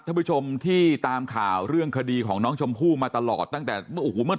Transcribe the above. ผู้ชมที่ตามข่าวเรื่องคดีของน้องชมพู่มาตลอดตั้งแต่เมื่อโอ้โหเมื่อ